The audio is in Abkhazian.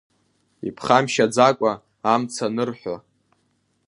Иԥхамшьаӡакәа амц анырҳәо.